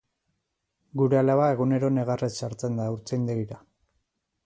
Gure alaba egunero negarrez sartzen da haurtzaindegira.